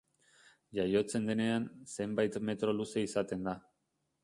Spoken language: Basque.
Jaiotzen denean, zenbait metro luze izaten da.